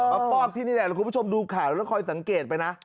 ฟอกที่นี่แหละแล้วคุณผู้ชมดูข่าวแล้วคอยสังเกตไปนะ